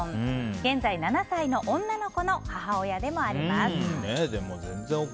現在７歳の女の子の母親でもあります。